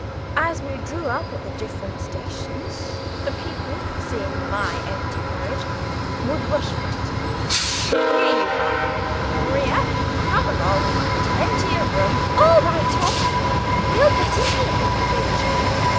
As we drew up at the different stations, the people, seeing my empty carriage, would rush for it. "Here y' are, Maria; come along, plenty of room." "All right, Tom; we'll get in here," they would shout.